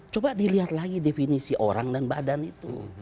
coba dilihat lagi definisi orang dan badan itu